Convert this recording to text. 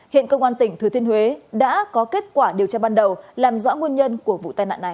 hiện công an tỉnh thừa thiên huế đã có kết quả điều tra ban đầu làm rõ nguồn nhân của vụ tai nạn này